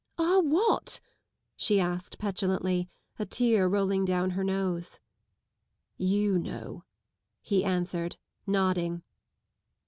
" Are what? " she asked petulantly, a tear rolling down her nose. You know," he answered, nodding.